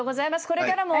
これからも。